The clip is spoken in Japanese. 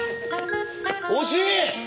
惜しい！